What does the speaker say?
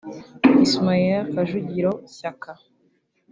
Ismail Kajugiro Shyaka